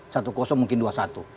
satu mungkin dua satu